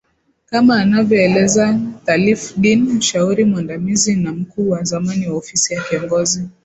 kama anavyoeleza Thalif Deen mshauri mwandamizi na mkuu wa zamani wa ofisi ya kiongozi